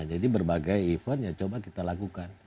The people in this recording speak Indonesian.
jadi berbagai eventnya coba kita lakukan